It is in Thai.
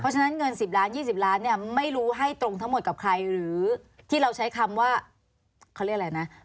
ฉะนั้นเงิน๑๐ล้าน๒๐ล้านเนี่ยไม่รู้ให้ตรงทั้งหมดกับใครหรือที่เราใช้คำว่าเขาเรียกอะไรนะ